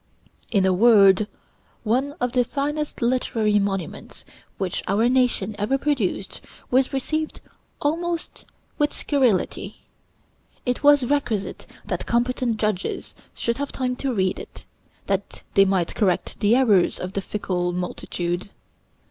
In a word, one of the finest literary monuments which our nation ever produced was received almost with scurrility. It was requisite that competent judges should have time to read it, that they might correct the errors of the fickle multitude.